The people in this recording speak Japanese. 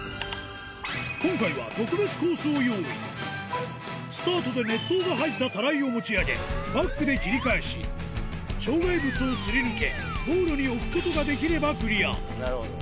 今回は特別コースを用意スタートで熱湯が入ったタライを持ち上げバックで切り返し障害物をすり抜けゴールに置くことができればクリア